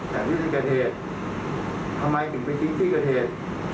แถวที่กระเทศทำไมถึงไปทิ้งที่กระเทศ